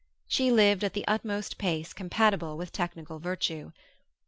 She lived at the utmost pace compatible with technical virtue.